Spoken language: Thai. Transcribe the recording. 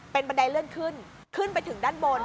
เป็นบันไดเลื่อนขึ้นขึ้นไปถึงด้านบน